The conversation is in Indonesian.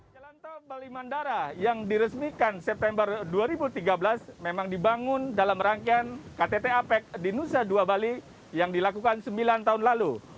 jalan tol bali mandara yang diresmikan september dua ribu tiga belas memang dibangun dalam rangkaian ktt apec di nusa dua bali yang dilakukan sembilan tahun lalu